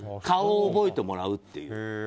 顔を覚えてもらうっていう。